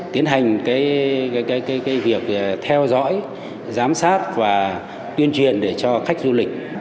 tiến hành việc theo dõi giám sát và tuyên truyền để cho khách du lịch